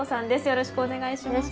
よろしくお願いします。